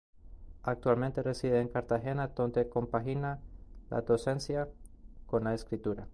Actualmente reside en Cartagena, donde compagina la docencia con la escritura.